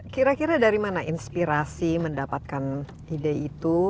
kira kira dari mana inspirasi mendapatkan ide itu